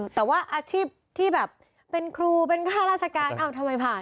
แต่ว่าอาชีพที่แบบเป็นครูเป็นค่าราชการเอ้าทำไมผ่าน